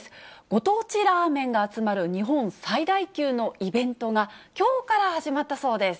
ご当地ラーメンが集まる日本最大級のイベントが、きょうから始まったそうです。